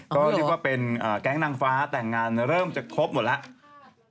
ก็เรียกว่าเป็นแก๊งนางฟ้าแต่งงานเริ่มจะครบหมดแล้ว